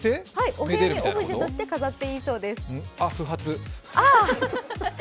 お部屋にオブジェとして飾っていいそうです。